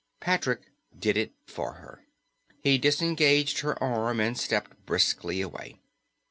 Patrick did it for her. He disengaged her arm and stepped briskly away.